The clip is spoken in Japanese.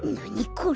これ。